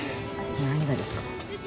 何がですか？